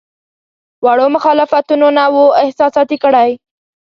وړو مخالفتونو نه وو احساساتي کړی.